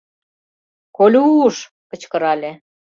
— Колю-юш! — кычкырале.